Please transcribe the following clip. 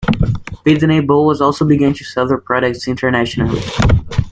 Pitney Bowes also began to sell their products internationally.